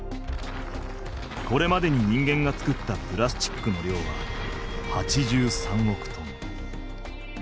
これまでに人間が作ったプラスチックのりょうは８３億トン。